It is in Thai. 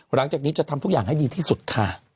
หลังจากนี้จะทำทุกอย่างให้ดีที่สุดค่ะ